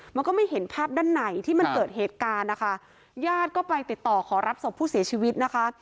มันก็ไม่เห็นภาพด้านในที่มันเกิดเหตุการณ์นะคะญาติก็ไปติดต่อขอรับศพผู้เสียชีวิตนะคะ